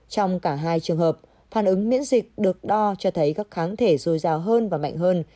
trong cả hai trường hợp phản ứng miễn dịch được đo cho thấy các kháng thể dồi dào hơn và mạnh hơn